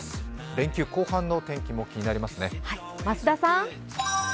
連休後半のお天気も気になりますね。